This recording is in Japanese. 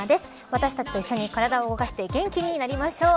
私たちと一緒に体を動かして元気になりましょう。